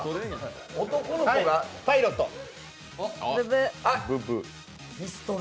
パイロット。